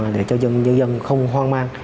để cho nhân dân không hoang mang